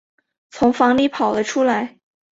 从房里跑了出来